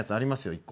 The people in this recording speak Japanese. １個。